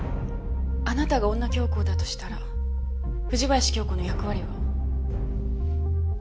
あなたが女教皇だとしたら藤林経子の役割は？